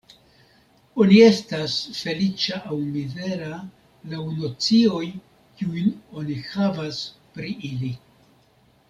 Oni estas feliĉa aŭ mizera laŭ nocioj, kiujn oni havas pri ili.